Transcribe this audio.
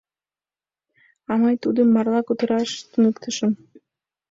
А мый тудым марла кутыраш туныктышым...